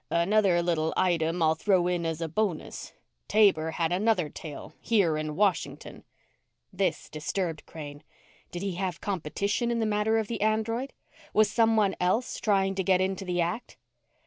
"Another little item I'll throw in as a bonus. Taber had another tail here in Washington." This disturbed Crane. Did he have competition in the matter of the android? Was someone else trying to get into the act?